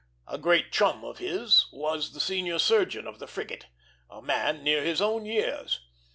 A great chum of his was the senior surgeon of the frigate, a man near his own years.